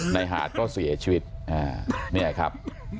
หาดก็เสียชีวิตเนี่ยครับ